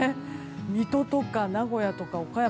水戸とか名古屋とか岡山